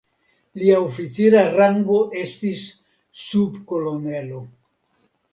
Lia oficira rango estis subkolonelo.